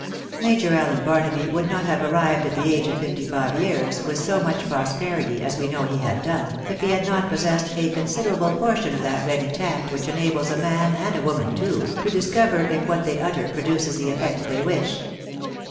Major Allen Barnaby would not have arrived at the age of fifty five years with so much prosperity as we know he had done, if he had not possessed a considerable portion of that ready tact which ^enables a man, and a woman too, to discover if what they utter produces the effect they wish.